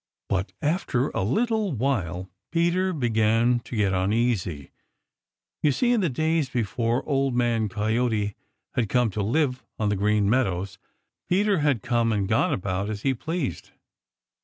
But after a little while Peter began to get uneasy. You see in the days before Old Man Coyote had come to live on the Green Meadows, Peter had come and gone about as he pleased.